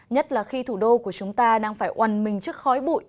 nhất là khi thủ đô của chúng ta đang phải oằn mình trước khói bụi